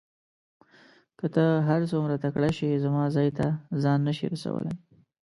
که ته هر څوره تکړه شې زما ځای ته ځان نه شې رسولای.